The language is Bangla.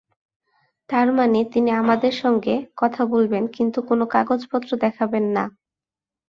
তার মানে তিনি আমাদের সঙ্গে কথা বলবেন কিন্তু কোনো কাগজপত্র দেখাবেন না।